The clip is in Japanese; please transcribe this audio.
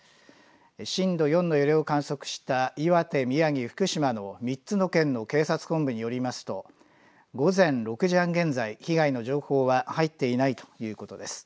震度４の揺れを観測した岩手、宮城、福島の３つの県の警察本部によりますと、午前６時半現在、被害の情報は入っていないということです。